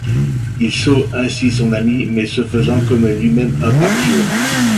Il sauve ainsi son ami, mais ce faisant, commet lui-même un parjure.